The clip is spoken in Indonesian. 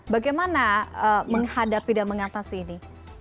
bagaimana menghadapi dan mengatasi ini